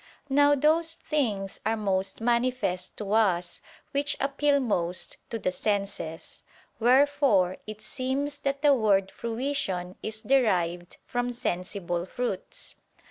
Now those things are most manifest to us which appeal most to the senses: wherefore it seems that the word "fruition" is derived from sensible fruits.